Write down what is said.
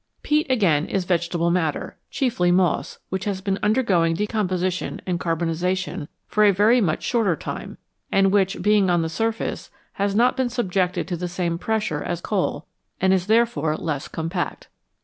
Peat, again, is vegetable matter chiefly moss which has been undergoing decomposition and carbonisa tion for a very much shorter time, and which, being on the surface, has not been subjected to the same pressure as coal, and is therefore less compact.